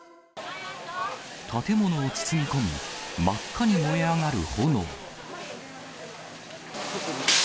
建物を包み込み、真っ赤に燃え上がる炎。